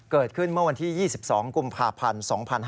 เกิดขึ้นเมื่อวันที่๒๒กุมภาพพันธ์๒๕๑๖